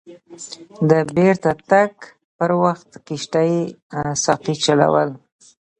د بیرته تګ پر وخت کښتۍ ساقي چلول.